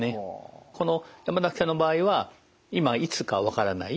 この山崎さんの場合は今いつかわからない。